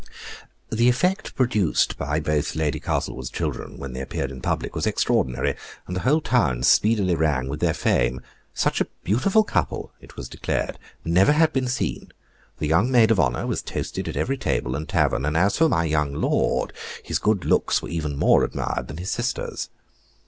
The effect produced by both Lady Castlewood's children when they appeared in public was extraordinary, and the whole town speedily rang with their fame: such a beautiful couple, it was declared, never had been seen; the young maid of honor was toasted at every table and tavern, and as for my young lord, his good looks were even more admired than his sister's.